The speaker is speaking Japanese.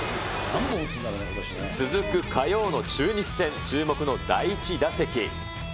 続く火曜の中日戦、注目の第１打席。